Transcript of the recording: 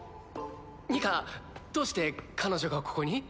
ニカどうして彼女がここに？